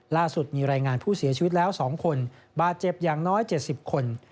ล่าสุดมีรายงานผู้เสียชีวิตแล้ว๒คนบาดเจ็บอย่างน้อย๗๐คน